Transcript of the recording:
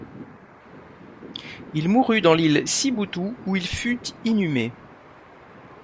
Il mourut dans l'île Sibutu où il fut inhumé.